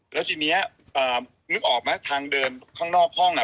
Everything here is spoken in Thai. แล้วทีนี้นึกออกไหมทางเดินข้างนอกห้อง